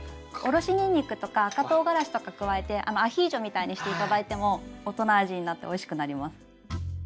おろしにんにくとか赤とうがらしとか加えてアヒージョみたいにして頂いても大人味になっておいしくなります。